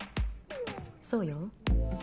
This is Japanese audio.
そうよ。